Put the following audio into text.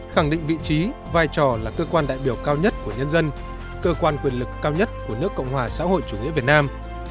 khẳng định vị trí vai trò là cơ quan đại biểu cao nhất của nhân dân cơ quan quyền lực cao nhất của nước cộng hòa xã hội chủ nghĩa việt nam